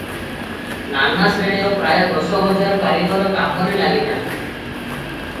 ନାନା ଶ୍ରେଣୀର ପ୍ରାୟ ଦଶ ହଜାର କାରିଗର କାମରେ ଲାଗିଥାନ୍ତି ।